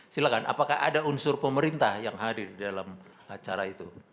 silahkan apakah ada unsur pemerintah yang hadir dalam acara itu